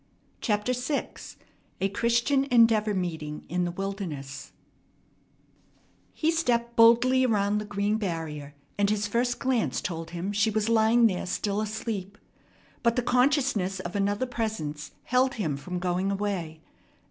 CHAPTER VI A CHRISTIAN ENDEAVOR MEETING IN THE WILDERNESS He stepped boldly around the green barrier, and his first glance told him she was lying there still asleep; but the consciousness of another presence held him from going away.